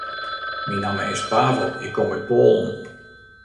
Myn namme is Pavel, ik kom út Poalen.